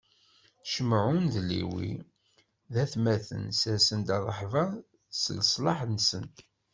Cimɛun d Lewwi d atmaten, sersen-d rrehba s leslaḥ-nsen.